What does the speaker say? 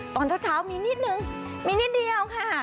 ตอนเช้ามีนิดนึงมีนิดเดียวค่ะ